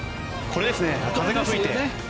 これですね、風が吹いて。